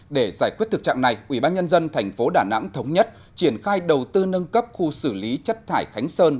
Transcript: để giải quyết thực trạng này ubnd tp đà nẵng thống nhất triển khai đầu tư nâng cấp khu xử lý chất thải khánh sơn